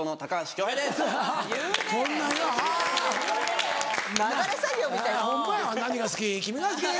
君が好き」。